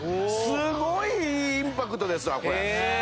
すごいいいインパクトですわこれ。